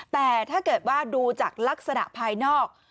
แต่ถ้าเกิดว่าดูจากลักษณะภายนอก